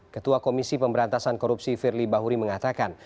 ketua komisi pemberantasan korupsi firly bahuri mengatakan